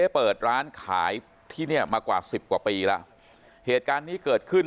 เปิดร้านขายที่เนี้ยมากว่าสิบกว่าปีแล้วเหตุการณ์นี้เกิดขึ้น